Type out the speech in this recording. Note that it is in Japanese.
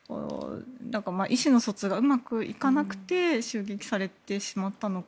意思の疎通がうまくいかなくて襲撃されてしまったのか